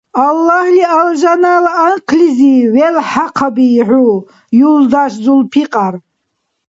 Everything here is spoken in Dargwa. Аллагьли алжанала анхълизив велхӀахъаби хӀу, юлдаш Зулпикьар!